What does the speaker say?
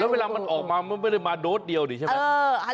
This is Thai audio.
แล้วเวลามันออกมาไม่ลึกมาโดสเดียวดิใช่ไหม